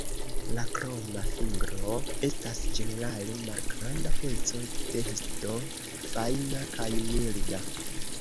La kroma fingro estas ĝenerale malgranda peco de histo fajna kaj milda.